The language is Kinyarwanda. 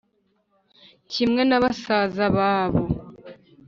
kimwe nabasaza babo